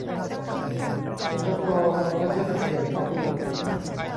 หจก.ธัญเสถียรภาพยนตร์